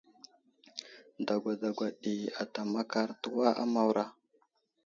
Dagwa dagwa ɗi ata makar təwa a Mawra.